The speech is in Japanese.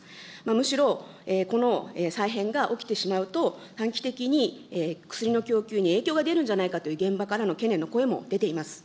むしろこの再編が起きてしまうと、短期的に薬の供給に影響が出るんじゃないかという現場からの懸念の声も出ています。